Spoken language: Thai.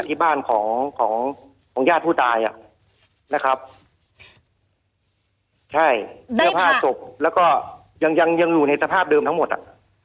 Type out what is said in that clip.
ที่บ้านของของของญาติผู้ตายอ่ะนะครับใช่แล้วก็ยังยังยังอยู่ในสภาพเดิมทั้งหมดอ่ะ